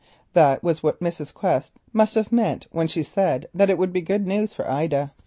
This was what Mrs. Quest must have meant when she said that it would be good news for Ida.